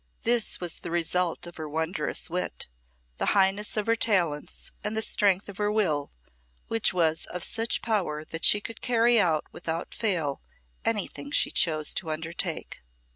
This was the result of her wondrous wit, the highness of her talents, and the strength of her will, which was of such power that she could carry out without fail anything she chose to undertake.